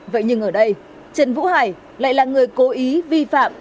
vậy nhưng ở đây trần vũ hải lại là người cố ý vi phạm